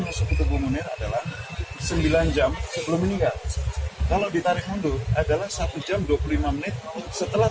masuk ke tubuh munir adalah sembilan jam sebelum meninggal kalau ditarik mundur adalah satu jam dua puluh lima menit setelah